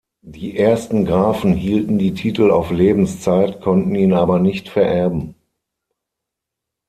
Die ersten Grafen hielten die Titel auf Lebenszeit, konnten ihn aber nicht vererben.